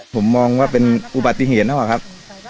ผมมองว่าเป็นอุบัติเหตุนะครับ